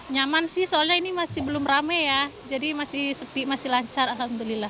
nyaman sih soalnya ini masih belum rame ya jadi masih sepi masih lancar alhamdulillah